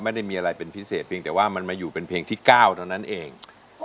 ไม่ได้มีอะไรเป็นพิเศษเพียงแต่ว่ามันมาอยู่เป็นเพลงที่๙เท่านั้นเอง